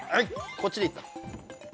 こっちで行った。